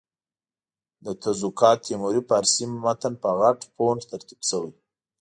د تزوکات تیموري فارسي متن په غټ فونټ ترتیب شوی.